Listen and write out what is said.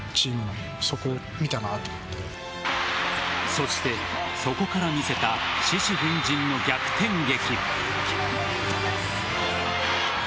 そして、そこから見せた獅子奮迅の逆転劇。